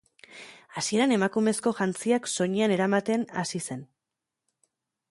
Hasieran emakumezko jantziak soinean eramaten hasi zen.